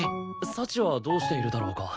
幸はどうしているだろうか？